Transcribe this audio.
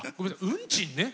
運賃ね。